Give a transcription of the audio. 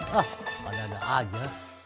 hah ada ada aja